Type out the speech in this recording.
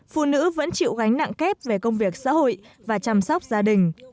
phụ nữ vẫn chịu gánh nặng kép về công việc xã hội và chăm sóc gia đình